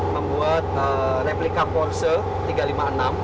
membuat replika porsche